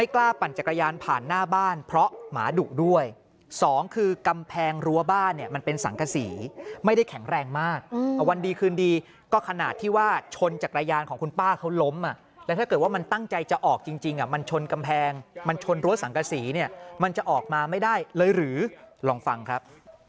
ของคือกำแพงรัวบ้านเนี่ยมันเป็นสังกษีไม่ได้แข็งแรงมากวันดีคืนดีก็ขนาดที่ว่าชนจากรายยานของคุณป้าเขาล้มอ่ะแล้วถ้าเกิดว่ามันตั้งใจจะออกจริงอ่ะมันชนกำแพงมันชนรัวสังกษีเนี่ยมันจะออกมาไม่ได้เลยหรือลองฟังครับ